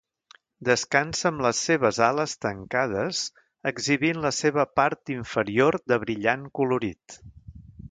Descansa amb les seves ales tancades exhibint la seva part inferior de brillant colorit.